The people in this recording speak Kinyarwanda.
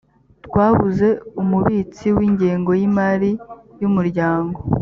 twabuze umubitsi w’ ingengo y’ imari y’umuryango